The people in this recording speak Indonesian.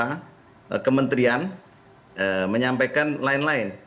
terus kemudian menyampaikan lain lain